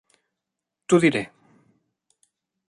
T'ho diré.